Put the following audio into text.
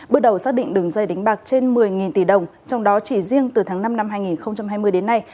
bước đầu xác định đường dây đánh bạc trên một mươi tỷ đồng trong đó chỉ riêng từ tháng năm năm hai nghìn hai mươi đến nay